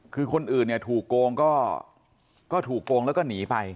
คือคนอื่นเนี่ยถูกโกงก็ถูกโกงแล้วก็หนีไป